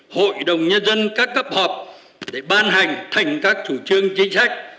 hội đồng nhân dân các cấp họp để ban hành thành các chủ trương chính sách